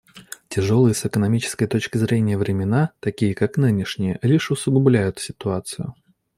Тяжелые с экономической точки зрения времена, такие как нынешние, лишь усугубляют ситуацию.